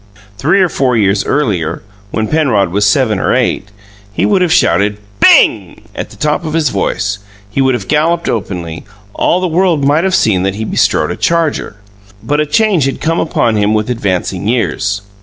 Three or four years earlier, when Penrod was seven or eight, he would have shouted "Bing!" at the top of his voice; he would have galloped openly; all the world might have seen that he bestrode a charger. But a change had come upon him with advancing years.